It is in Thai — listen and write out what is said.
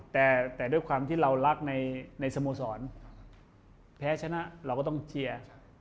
แต่ด้วยความที่เรารักในสโมสรแพ้ชนะเราก็ต้องเชียร์